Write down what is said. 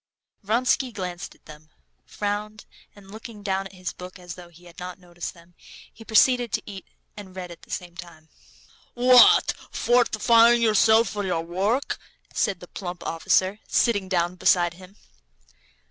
Vronsky glanced at them, frowned, and looking down at his book as though he had not noticed them, he proceeded to eat and read at the same time. "What? Fortifying yourself for your work?" said the plump officer, sitting down beside him.